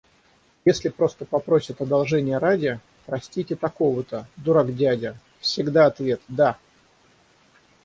Если просто попросят одолжения ради — простите такого-то — дурак-дядя, — всегда ответ: да!